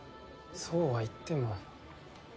そうは言っても。